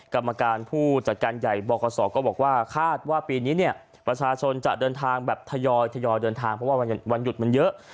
กรรมการผู้จัดการใหญ่บคศก็บอกว่าคาดว่าปีนี้เนี่ยประชาชนจะเดินทางแบบทยอยเดินทางเพราะว่าวันหยุดมันเยอะ